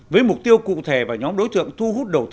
với mục tiêu cụ thể và nhóm đối tượng thu hút đầu tư cụ thể